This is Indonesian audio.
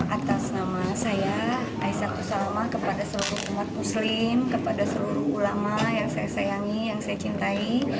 atas nama saya aisyatu salmah kepada seluruh umat muslim kepada seluruh ulama yang saya sayangi yang saya cintai